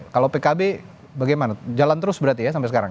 kalau pkb bagaimana jalan terus berarti ya sampai sekarang